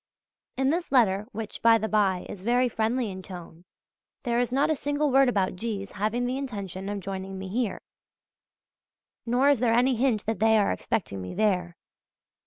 In this letter, which, by the bye, is very friendly in tone, there is not a single word about G.'s having the intention of joining me here, nor is there any hint that they are expecting me there.